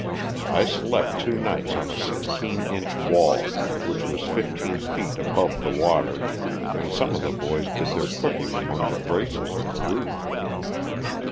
I slept two nights on a sixteen inch wall which was fifteen feet above the water, and some of the boys did their cooking among the braces of the roof.